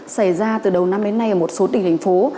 xảy ra từ đầu năm đến nay ở một số tỉnh thành phố